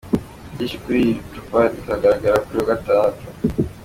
Byinshi kuri iri cupa bizagaragara kuri uyu wa Gatandatu.